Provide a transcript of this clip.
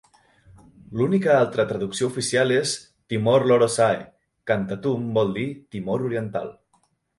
L'única altra traducció oficial és "Timor Loro'sae", que en tetum vol dir "Timor Oriental".